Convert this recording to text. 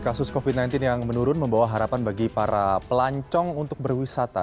kasus covid sembilan belas yang menurun membawa harapan bagi para pelancong untuk berwisata